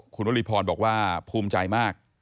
คุณวริพรบอกว่าภูมิใจมาก